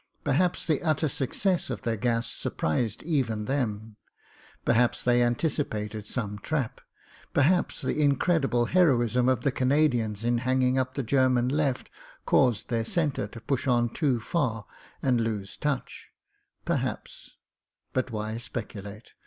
Perhaps the utter success of their gas surprised even them; perhaps they anticipated some trap; perhaps the in credible heroism of the Canadians in hanging up the German left caused their centre to push on too far and lose touch ; perhaps — ^but, why speculate